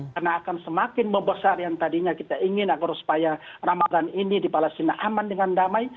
karena akan semakin membesar yang tadinya kita ingin agar supaya ramadan ini di palestina aman dengan damai